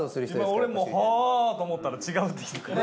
今俺も「はぁ」と思ったら違うってきたから。